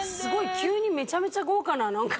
急にめちゃめちゃ豪華ななんか。